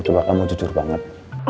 coba kamu jujur banget